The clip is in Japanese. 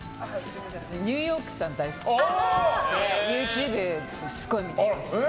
ニューヨークさん、大好きでＹｏｕＴｕｂｅですごい見てます。